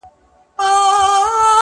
په رښتيا هم په هغو وختونو کي